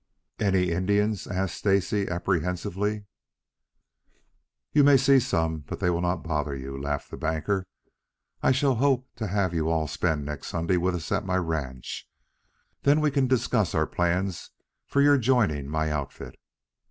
"Any Indians?" asked Stacy apprehensively. "You may see some, but they will not bother you," laughed the banker. "I shall hope to have you all spend next Sunday with us at my ranch; then we can discuss our plans for your joining my outfit."